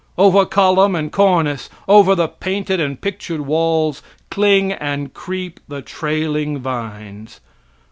Over column and cornice; over the painted and pictured walls, cling and creep the trailing vines.